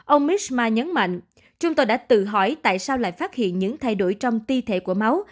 ông misma nhấn mạnh chúng tôi đã tự hỏi tại sao lại phát hiện những thay đổi trong ti thể của máu